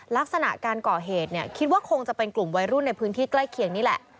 ลักษณะการก่อเหตุเนี่ยคิดว่าคงจะเป็นกลุ่มวัยรุ่นในพื้นที่ใกล้เคียงนี่แหละ